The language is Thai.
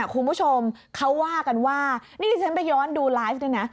คุณผู้ชมเขาว่ากันว่านี่ที่ฉันไปย้อนดูไลฟ์นี่นะ